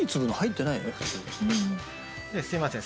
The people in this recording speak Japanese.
すいません